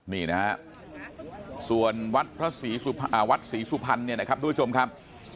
นี่นะครับส่วนวัดศรีสุพรรณเนี่ยนะครับทุกวันชมครับ